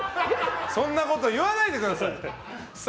そんなこと言わないでください。